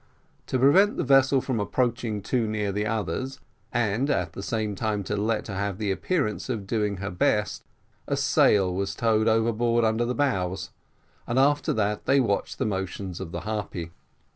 To prevent the vessel from approaching too near the others, and at the same time to let her have the appearance of doing her best, a sail was towed overboard under the bows, and after that they watched the motions of the Harpy.